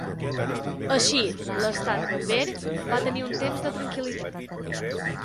Així, l'estat berber va tenir un temps de tranquil·litat.